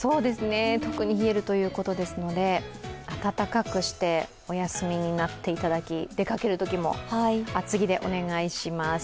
特に冷えるということですので、温かくしてお休みになっていただき、出かけるときも、厚着でお願いします。